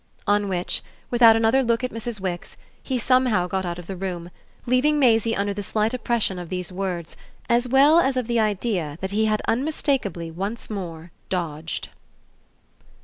On which, without another look at Mrs. Wix, he somehow got out of the room, leaving Maisie under the slight oppression of these words as well as of the idea that he had unmistakeably once more dodged.